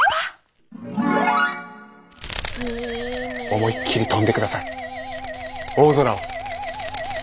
思いっきり飛んで下さい大空を。